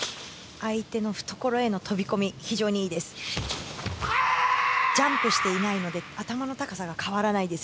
相手の懐への飛び込み非常にいいです。